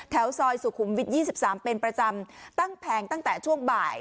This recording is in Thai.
แถวซอยสุขุมวิทยิกสิบสามเป็นประจำต้ั่งแผงตั้งแต่ช่วงบ่าย